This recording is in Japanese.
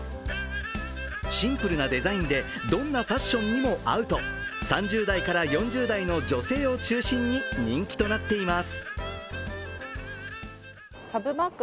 シンプルなデザインで、どんなファッションにも合うと３０代から４０代の女性を中心に人気となっています。